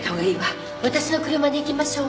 私の車で行きましょう！